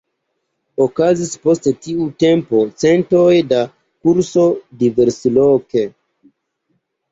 Okazis post tiu tempo centoj da kursoj diversloke.